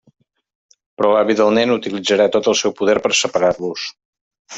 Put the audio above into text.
Però l'avi del nen utilitzarà tot el seu poder per separar-los.